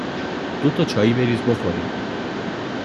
دو تا چایی بریز بخوریم